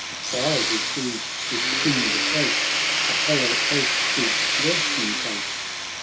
" A spy we seized within the Chase, A hollow oak his lurking place.'"'